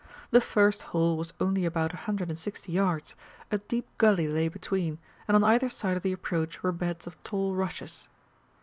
The first hole was only about a hundred and sixty yards; a deep gully lay between, and on either side of the approach were beds of tall rushes.